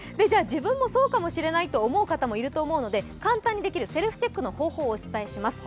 自分もそうかもしれないと思う方もいると思うので簡単にできるセルフチェックの方法をお伝えします。